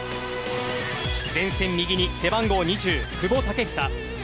前線右に背番号２０・久保建英